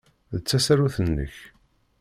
Ta d tasarut-nnek.